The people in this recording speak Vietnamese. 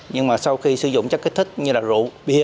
nhưng mà sau khi sử dụng chất kích thích như là rượu bia